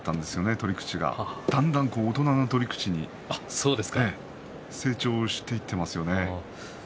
取り口がだんだん大人の取り口に成長していってますよね。